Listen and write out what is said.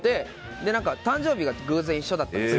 で、誕生日が偶然一緒だったんですね